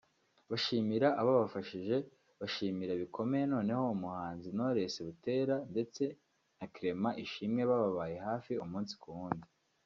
bashimira ababafashije bashimira bikomeye noneho umuhanzi Knowless Butera ndetse na Clement Ishimwe bababaye hafi umunsi ku wundi